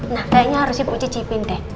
nah kayaknya harus ibu cicipin deh